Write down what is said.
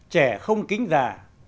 trẻ không kính già